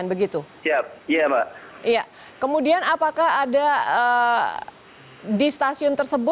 lalunya strict policing beperlu satu